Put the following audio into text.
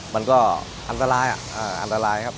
มันก็อันตรายครับ